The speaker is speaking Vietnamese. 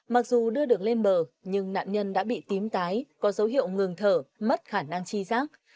mặc dù đưa đường lên bờ nhưng nạn nhân đã bị tím tái có dấu hiệu ngừng thở mất khả năng chi giác